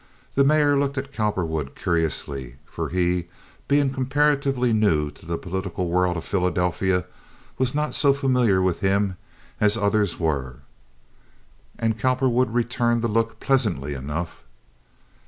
The mayor looked at Cowperwood curiously, for he, being comparatively new to the political world of Philadelphia, was not so familiar with him as others were; and Cowperwood returned the look pleasantly enough.